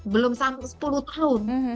belum sampai sepuluh tahun